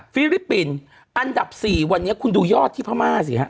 ฟิลิปปินส์อันดับ๔วันนี้คุณดูยอดที่พม่าสิฮะ